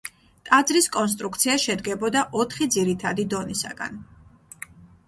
ტაძრის კონსტრუქცია შედგებოდა ოთხი ძირითადი დონისაგან.